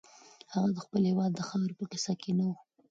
هغه د خپل هېواد د خاورې په کیسه کې نه و.